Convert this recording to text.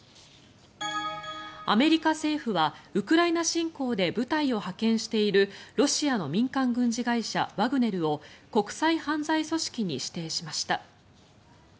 アメリカ政府はウクライナ侵攻で部隊を派遣しているロシアの民間軍事会社ワグネルを国際犯罪組織に指定しました。